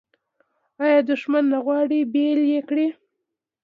آیا دښمنان نه غواړي بیل یې کړي؟